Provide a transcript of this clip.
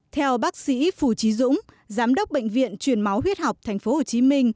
theo bác sĩ phù trí dũng giám đốc bệnh viện truyền máu huyết học tp hcm